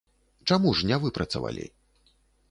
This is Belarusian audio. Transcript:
Чаму ж не выпрацавалі?